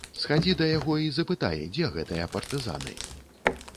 Схадзі да яго і запытай, дзе гэтыя партызаны.